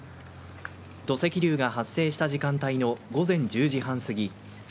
土石流が発生した時間帯の午前１０時半すぎ